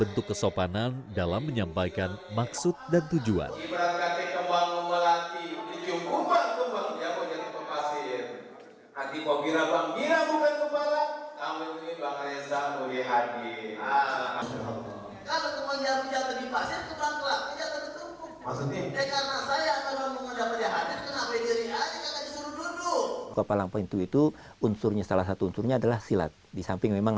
untuk mempertimbangkan kesabaran persidangan